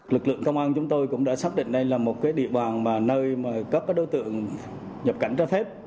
lực lượng công an chúng tôi cũng đã xác định đây là một địa bàn mà nơi các đối tượng nhập cảnh trái phép